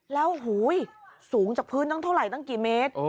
แล้วสูงจากพื้นตั้งเท่าไหร่ตั้งกี่เมตร